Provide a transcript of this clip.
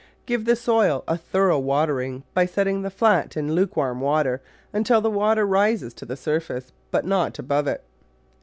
Give the soil a thorough watering by setting the flat in lukewarm water until the water rises to the surface, but not above it.